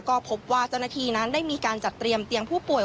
ก็พบว่าเจ้าหน้าที่นั้นได้มีการจัดเตรียมเตียงผู้ป่วย